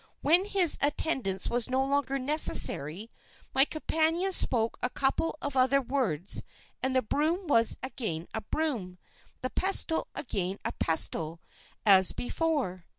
When his attendance was no longer necessary, my companion spoke a couple of other words, and the broom was again a broom, the pestle again a pestle, as before.